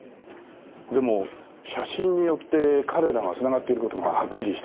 でも写真によって彼らがつながっている事がはっきりしたんです。